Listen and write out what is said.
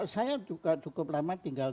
saya juga cukup lama tinggal